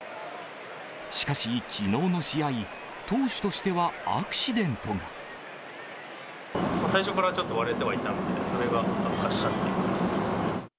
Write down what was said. しかし、きのうの試合、最初からちょっと割れてはいたんで、それが悪化したっていう感じです。